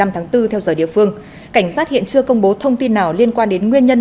năm tháng bốn theo giờ địa phương cảnh sát hiện chưa công bố thông tin nào liên quan đến nguyên nhân